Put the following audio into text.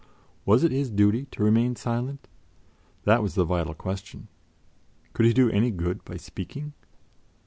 Was it his duty to remain silent? That was the vital question. Could he do any good by speaking?